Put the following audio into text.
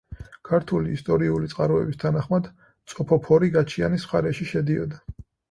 ქართული ისტორიული წყაროების თანახმად წოფოფორი გაჩიანის მხარეში შედიოდა.